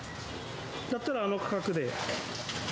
だったらあの価格で。